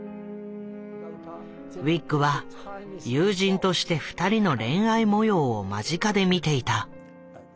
ウィッグは友人として２人の恋愛模様を間近で見ていた。